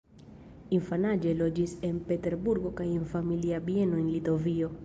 Infanaĝe loĝis en Peterburgo kaj en familia bieno en Litovio.